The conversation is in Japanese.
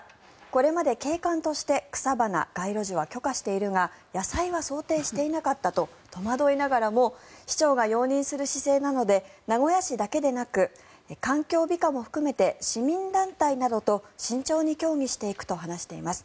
これまで景観として草花、街路樹は許可しているが野菜は想定していなかったと戸惑いながらも市長が容認する姿勢なので名古屋市だけでなく環境美化も含めて市民団体などと慎重に協議していくと話しています。